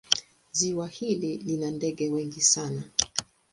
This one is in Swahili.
Ziwa hili lina ndege wengi sana.